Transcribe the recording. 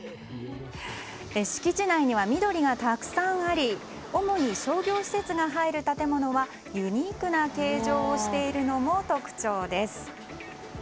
敷地内には緑がたくさんあり主に商業施設が入る建物はユニークな形状をしているのも特徴です。